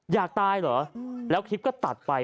อยากตายเหรอแล้วคลิปก็ตัดไป